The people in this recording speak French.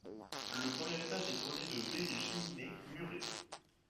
Le premier étage est orné de baies géminées murées.